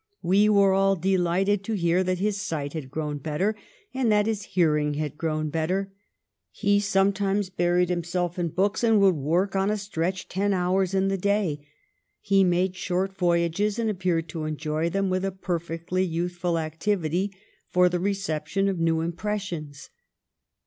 We were all delighted to hear that his sight had grown better and that his hearing had grown better. He sometimes buried himself in books and would work on a stretch ten hours in the day. He made short voyages and appeared to enjoy them with a perfectly youthful activity for the reception of new impres sions.